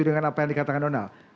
dengan apa yang dikatakan donald